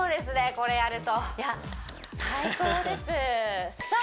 これやるといや最高ですさあ